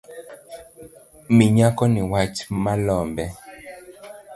Mi nyakoni wach malombe